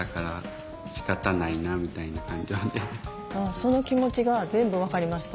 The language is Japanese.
その気持ちが全部分かりました。